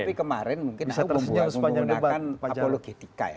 tapi kemarin mungkin aku membuat menggunakan apologetika ya